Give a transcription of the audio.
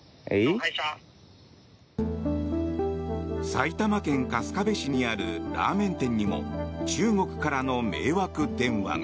埼玉県春日部市にあるラーメン店にも中国からの迷惑電話が。